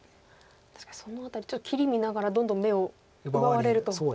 確かにその辺りちょっと切り見ながらどんどん眼を奪われると。